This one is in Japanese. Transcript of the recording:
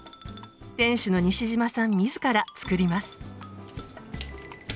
店主の西島さん自ら作ります。